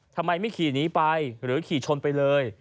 ทำไมไม่ขี่หนีไปหรือขี่ชนไปเลย